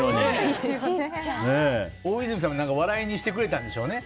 大泉さんも笑いにしてくれたんでしょうね。